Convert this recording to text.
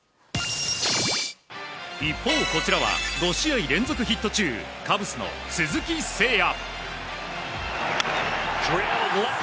一方、こちらは５試合連続ヒット中カブスの鈴木誠也。